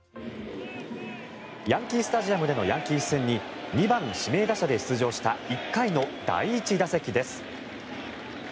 ヤンキー・スタジアムでのヤンキース戦に２番指名打者で出場した１回の第１打席です。